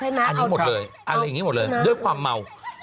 อันนี้หมดเลยด้วยความเมา